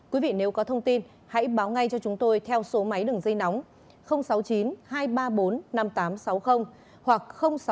quý vị nếu có thông tin hãy báo ngay cho chúng tôi theo số máy đường dây nóng sáu mươi chín hai trăm ba mươi bốn năm nghìn tám trăm sáu mươi hoặc sáu mươi chín hai trăm ba mươi hai một nghìn sáu trăm bảy